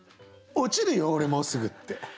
「落ちるよ俺もうすぐ」って。